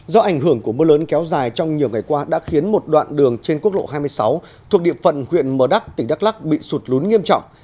do ảnh hưởng của mưa lớn kéo dài trong nhiều ngày qua đã khiến một đoạn đường trên quốc lộ hai mươi sáu thuộc địa phận huyện mờ đắc tỉnh đắk lắc bị sụt lún nghiêm trọng